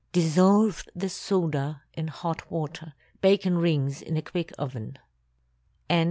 Dissolve the soda in hot water. Bake in rings in a quick oven. CORN BREAD.